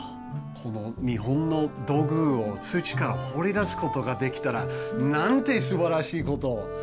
この日本の土偶を土から掘り出すことができたらなんてすばらしいこと！